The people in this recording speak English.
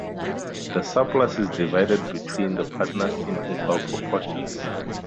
The surplus is divided between the partners in "equal proportions".